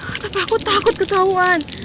aku takut aku takut ketauan